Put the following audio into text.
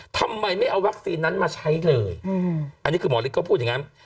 ทำไมไม่เอาวัคซีนนั้นมาใช้เลยอันนี้คือหมอฤทธิก็พูดอย่างนั้น